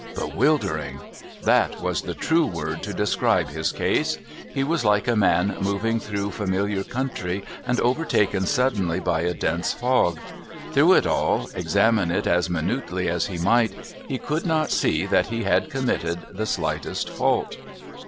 Bewildering! That was the true word to describe his case! He was like a man moving through familiar country and overtaken suddenly by a dense fog. Through it all, examine it as minutely as he might, he could not see that he had committed the slightest fault.